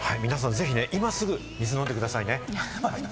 ぜひ、今すぐ水を飲んでくださいね。